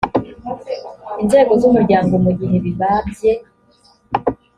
inzego z umuryango mu gihe bibabye